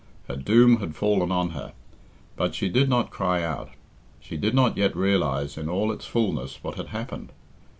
Her doom had fallen on her, but she did not cry out. She did not yet realise in all its fulness what had happened.